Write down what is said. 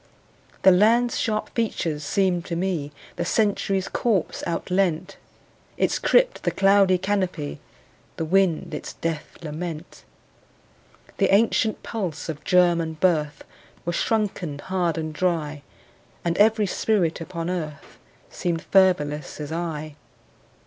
The land's sharp features seemed to me The Century's corpse outleant, Its crypt the cloudy canopy, The wind its death lament. The ancient pulse of germ and birth Was shrunken hard and dry, And every spirit upon earth Seemed fervorless as I.